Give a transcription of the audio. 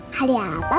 hadiah apa pa